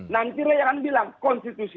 nanti leheran bilang konstitusi